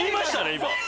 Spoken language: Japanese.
今。